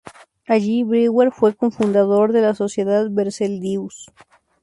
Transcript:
Allí, Brewer fue cofundador de la Sociedad Berzelius.